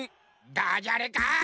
ダジャレかい！